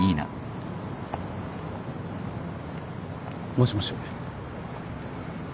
もしもし。